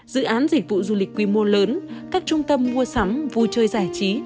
dự án dịch vụ du lịch quy mô lớn các trung tâm mua sắm vui chơi giải trí